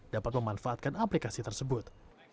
dapat memanfaatkan aplikasi tersebut